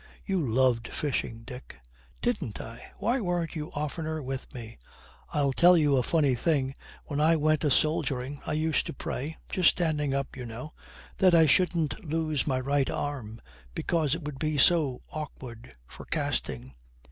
'You loved fishing, Dick.' 'Didn't I? Why weren't you oftener with me? I'll tell you a funny thing, When I went a soldiering I used to pray just standing up, you know that I shouldn't lose my right arm, because it would be so awkward for casting.'